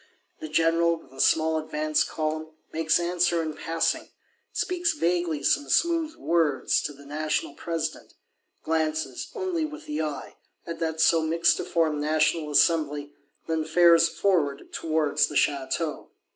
The General, with a small advance column, makes answer in passing; speaks vaguely some smooth words to the National President,—glances, only with the eye, at that so mixtiform National Assembly; then fares forward towards the Château.